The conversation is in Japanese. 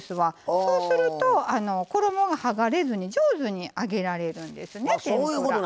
そうすると衣が剥がれずに上手に揚げられるんですね。